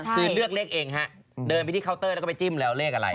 คือเลือกเลขเองฮะเดินไปที่เคาน์เตอร์แล้วก็ไปจิ้มแล้วเลขอะไร